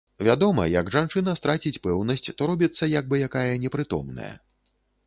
Вядома, як жанчына страціць пэўнасць, то робіцца як бы якая непрытомная.